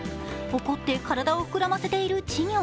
怒って体を膨らませている稚魚。